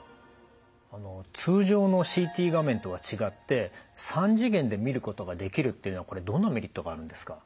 通常のＣＴ画面とは違って３次元で見ることができるっていうのはどんなメリットがあるんですか？